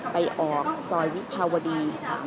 ไปออกซอยวิภาวดี